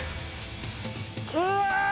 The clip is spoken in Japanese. うわ！